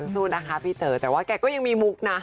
สู้นะคะพี่เต๋อแต่ว่าแกก็ยังมีมุกนะ